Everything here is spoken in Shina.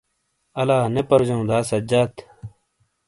الانے پروجوں دا سجاد؟